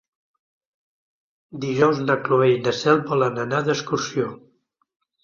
Dijous na Cloè i na Cel volen anar d'excursió.